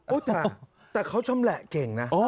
แต่เขาชำแหละเก่งนะ